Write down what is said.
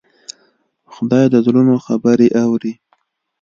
خدای د زړونو خبرې اوري.